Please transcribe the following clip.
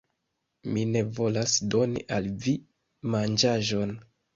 Mi ne volas doni al vi manĝaĵon.